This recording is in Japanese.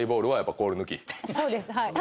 そうです。